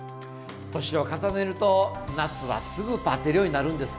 年を重ねると夏はすぐばてるようになるんです。